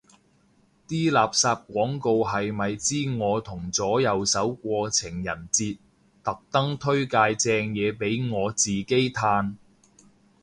啲垃圾廣告係咪知我同左右手過情人節，特登推介正嘢俾我自己嘆